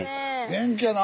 元気やな。